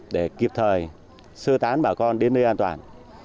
để kịp thời sơ tán bà con đến nơi an toàn